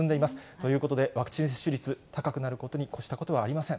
ということで、ワクチン接種率、高くなることに越したことはありません。